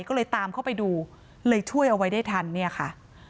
ก็เลยตามเข้าไปดูเลยช่วยเอาไว้ได้ทันเนี่ยค่ะ